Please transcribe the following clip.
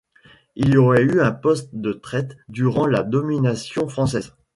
Il y aurait eu un poste de traite durant la domination française.